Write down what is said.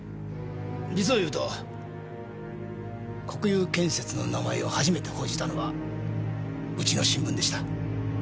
実を言うと国裕建設の名前を初めて報じたのはうちの新聞でした。